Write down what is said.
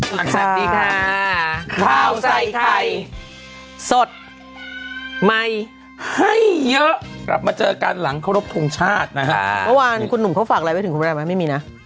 อาตรีค่าขาวใส่ไขมัยเยอะกลับมาเจอกันหลังสมชาติวันคุณหนุ่มเข้าฝากอะไร